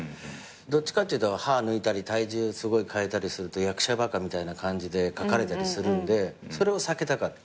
どっちかっていうと歯抜いたり体重すごい変えたりすると役者バカみたいな感じで書かれたりするんでそれを避けたかった。